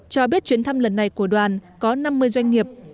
cho biết chuyến thăm lần này của đoàn có năm mươi doanh nghiệp